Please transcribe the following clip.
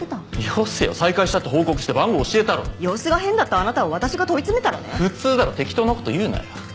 よせよ再会したって報告して番号教えたろ様子が変だったあなたを私が問い詰めたらね普通だろ適当なこと言うなよ